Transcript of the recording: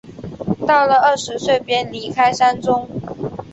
到了二十岁时便离开山中。